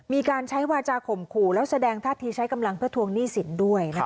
มีการใช้วาจาข่มขู่แล้วแสดงท่าทีใช้กำลังเพื่อทวงหนี้สินด้วย